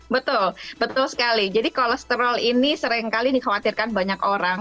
betul betul sekali jadi kolesterol ini seringkali dikhawatirkan banyak orang